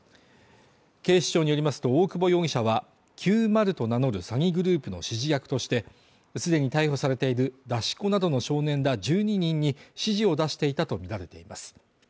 警視庁によりますと大久保容疑者は９０と名乗る詐欺グループの指示役として、既に逮捕されている出し子などの少年ら１２人に指示を出していたとみられています。